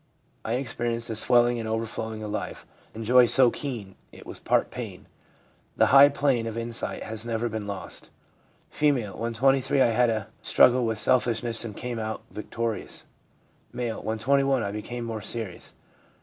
I experienced a swelling and overflowing of life, and joy so keen it was part pain. That high plane of insight has never been lost.' F. c When 23 I had a struggle with selfishness and came out victorious/ M. ' When 21 I became more serious.